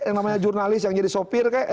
yang namanya jurnalis yang jadi sopir